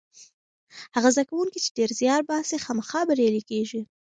هغه زده کوونکی چې ډېر زیار باسي خامخا بریالی کېږي.